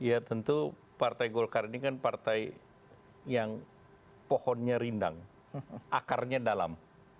ya tentu partai golkar ini kan partai yang pohonnya rindang akarnya dalam